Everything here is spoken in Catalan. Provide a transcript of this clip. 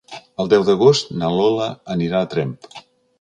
El deu d'agost na Lola anirà a Tremp.